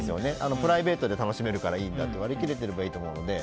プライベートで楽しめるからいいんだって割り切れてればいいと思うので。